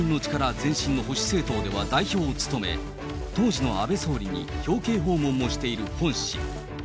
前身の保守政党では代表を務め、当時の安倍総理に表敬訪問もしているホン氏。